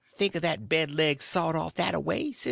Think o' that bed leg sawed off that a way, s'e?